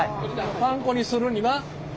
パン粉にするには。